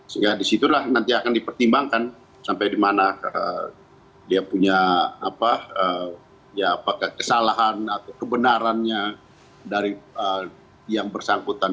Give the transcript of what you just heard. sehingga di situlah nanti akan dipertimbangkan sampai dimana dia punya apa ya apakah kesalahan atau kebenarannya dari yang bersangkutan